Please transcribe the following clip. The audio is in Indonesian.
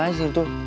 gimana sih itu